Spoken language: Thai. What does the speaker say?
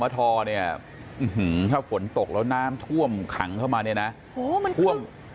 ถ้าฝนตกแล้วน้ำท่วมขังเข้ามาเนี่ยนะมันท่วม